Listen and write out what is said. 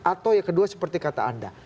atau yang kedua seperti kata anda